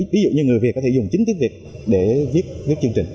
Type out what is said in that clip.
ví dụ như người việt có thể dùng chính tiếng việt để viết những chương trình